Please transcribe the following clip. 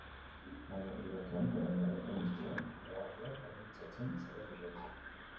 Maila pribatuan, gobernuaren eta ministroen erabakiak baldintzatzen saiatu zen.